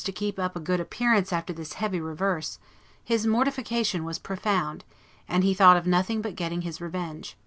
to keep up a good appearance after this heavy reverse, his mortification was profound, and he thought of nothing but getting his revenge.